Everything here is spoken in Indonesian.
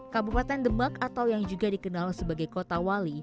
kabupaten demak atau yang juga dikenal sebagai kota wali